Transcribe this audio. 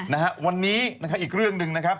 เอ้าวันนี้อีกเรื่องหนึ่งนะครับ